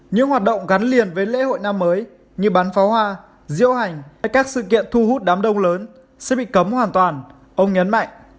những hoạt động gắn liền với lễ hội năm mới như bắn pháo hoa diễu hành hay các sự kiện thu hút đám đông lớn sẽ bị cấm hoàn toàn ông nhấn mạnh